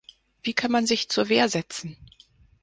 Wie kann man sich zur Wehr setzen?